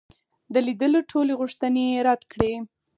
د لیدلو ټولي غوښتني یې رد کړې.